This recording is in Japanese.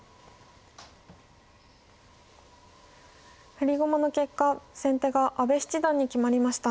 振り駒の結果先手が阿部七段に決まりました。